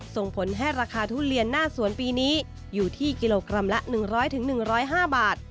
ส่งผลให้ราคาทุเรียนหน้าสวนปีนี้อยู่ที่กิโลกรัมละ๑๐๐๑๐๕บาท